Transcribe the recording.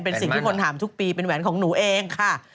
เป็นสิ่งที่คนถามทุกปีเป็นแหวนของหนูเองค่ะ